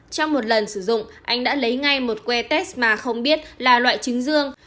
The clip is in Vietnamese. trong một lần sử dụng anh đã lấy ngay một que test mà không biết là loại trứng dương